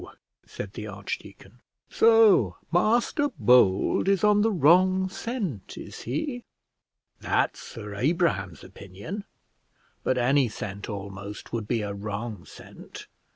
said the archdeacon; "so Master Bold is on the wrong scent, is he?" "That's Sir Abraham's opinion; but any scent almost would be a wrong scent.